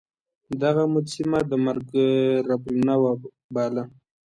دغه مجسمه د مرګ رب النوع باله.